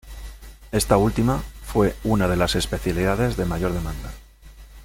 Esta última fue una de las especialidades de mayor demanda.